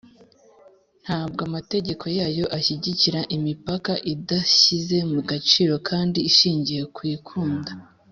. Ntabwo amategeko yayo ashyigikira imipaka idashyize mu gaciro kandi ishingiye ku kwikunda.